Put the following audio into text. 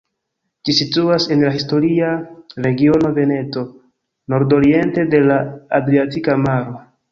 Ĝi situas en la historia regiono Veneto, nordoriente de la Adriatika Maro.